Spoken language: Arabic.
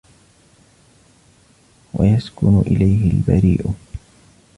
وَيَسْكُنُ إلَيْهِ الْبَرِيءُ